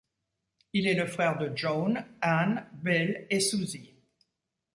Il est le frère de Joan, Ann, Bill et Susie.